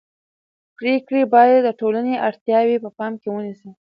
پرېکړې باید د ټولنې اړتیاوې په پام کې ونیسي